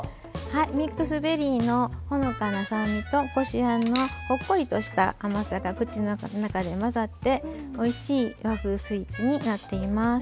ミックスベリーのほのかな酸味とこしあんのほっこりとした甘さが口の中で混ざっておいしい和風スイーツになっています。